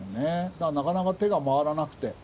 だからなかなか手が回らなくて。